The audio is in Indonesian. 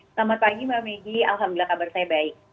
selamat pagi mbak megi alhamdulillah kabar saya baik